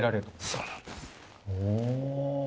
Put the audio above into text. そうなんです。